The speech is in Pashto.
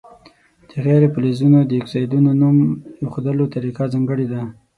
د غیر فلزونو د اکسایدونو نوم ایښودلو طریقه ځانګړې ده.